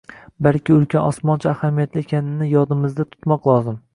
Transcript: balki ulkan – osmoncha ahamiyatli ekanini yodimizda tutmoq lozim.